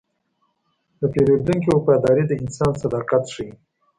د پیرودونکي وفاداري د انسان صداقت ښيي.